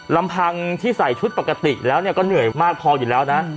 ลำพังที่ใส่ชุดปกติแล้วก็เหนื่อยมากพออยู่แล้วนะ